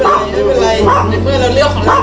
ไม่เป็นไรไม่เป็นไรไม่เป็นไร